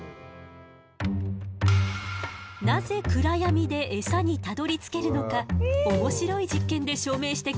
なぜ暗闇でエサにたどりつけるのか面白い実験で証明してくれるわ。